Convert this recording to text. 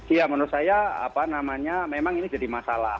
ya menurut saya memang ini jadi masalah